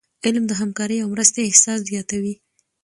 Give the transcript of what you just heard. علم د همکاری او مرستي احساس زیاتوي.